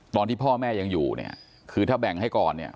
ตอนที่พ่อแม่ยังอยู่คือถ้าแบ่งให้ก่อน